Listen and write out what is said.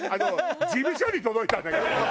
事務所に届いたんだからね。